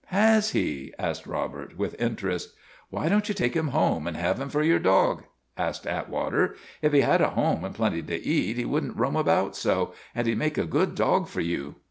" Has he? " asked Robert, with interest. Why don't you take him home and have him for your dog?' asked Atwater. "If he had a home and plenty to eat, he would n't roam about so, and he 'd make a good dog for you."